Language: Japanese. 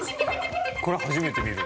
これ初めて見る。